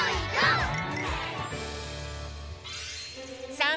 さあ